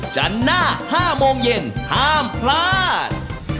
จันทร์หน้า๕โมงเย็นห้ามพลาด